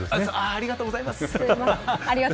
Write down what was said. ありがとうございます。